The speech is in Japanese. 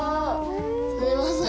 すいません。